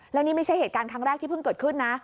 แล้วนี่ไม่ใช่เหตุการณ์ครั้งแรกที่เพิ่งเกิดขึ้นนะ